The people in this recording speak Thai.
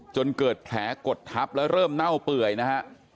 จนเกิดแผลกดทับแล้วเริ่มเน่าเปื่อยนะฮะ